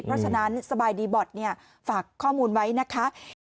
เพราะฉะนั้นสบายดีบอร์ดฝากข้อมูลไว้นะคะ